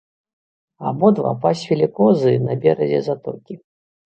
Абодва пасвілі козы на беразе затокі.